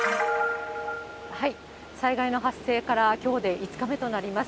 災害の発生からきょうで５日目となります。